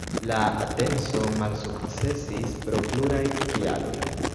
La atenco malsukcesis pro pluraj kialoj.